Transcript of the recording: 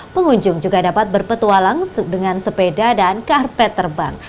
pengunjung juga dapat berpetualang dengan sepeda dan karpet terbang